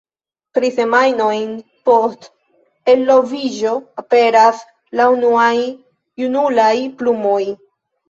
Tri semajnojn post eloviĝo, aperas la unuaj junulaj plumoj.